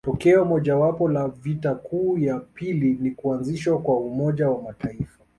Tokeo mojawapo la vita kuu ya pili ni kuanzishwa kwa Umoja wa mataifa